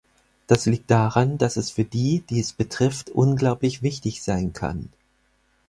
Das liegt daran, dass es für die, die es betrifft, unglaublich wichtig sein kann.